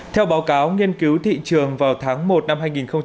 theo báo cáo nghiên cứu thị trường vào tháng một năm hai nghìn hai mươi